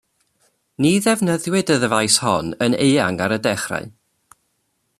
Ni ddefnyddiwyd y ddyfais hon yn eang ar y dechrau.